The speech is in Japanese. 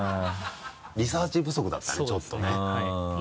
リサーチ不足だったねちょっとねそうですねはい。